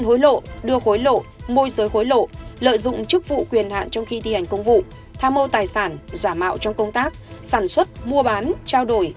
hối lộ mua giới hối lộ lợi dụng chức vụ quyền hạn trong khi thi hành công vụ tham mô tài sản giả mạo trong công tác sản xuất mua bán trao đổi